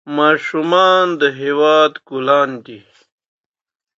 ماشومان د هېواد ګلان دي.